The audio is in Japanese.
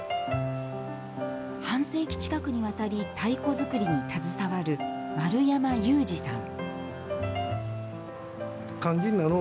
半世紀近くにわたり太鼓作りに携わる丸山雄司さん。